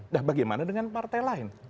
nah bagaimana dengan partai lain